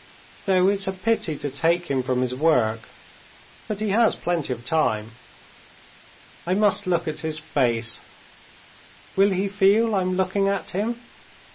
"Though it's a pity to take him from his work (but he has plenty of time!), I must look at his face; will he feel I'm looking at him?